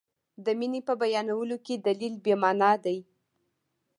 د مینې په بیانولو کې دلیل بې معنا دی.